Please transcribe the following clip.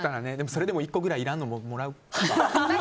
それでも１個ぐらいいらないのもらうかも。